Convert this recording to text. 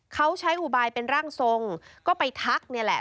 เขาใช้อุบายเป็นร่างทรงก็ไปทักนี่แหละ